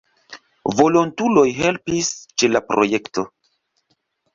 Volontuloj helpis ĉe la projekto.